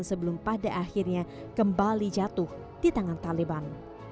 sebelum pada akhirnya kembali jatuh di tangan taliban